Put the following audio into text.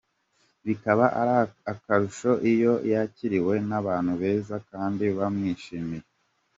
Bikaba akarusho iyo yakiriwe n’abantu beza kandi bamwishimiye.